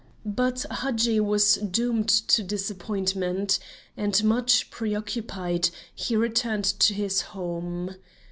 But Hadji was doomed to disappointment, and, much preoccupied, he returned to his home.